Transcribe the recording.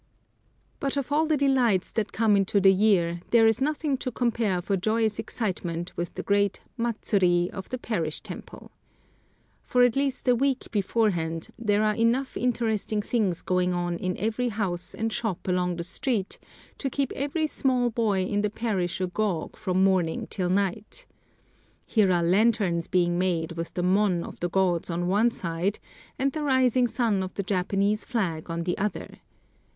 But of all the delights that come into the year, there is nothing to compare for joyous excitement with the great matsuri of the parish temple. For at least a week beforehand there are enough interesting things going on in every house and shop along the street to keep every small boy in the parish agog from morning till night. Here are lanterns being made with the mon of the gods on one side and the rising sun of the Japanese flag on the other.